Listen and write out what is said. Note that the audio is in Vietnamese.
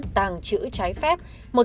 tàng chữ trái phép